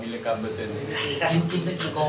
กินสักกินก็มันสามารถที่จะให้มันถึงมากขนาดกรรม